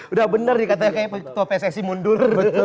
udah bener nih katanya ketua pssi mundur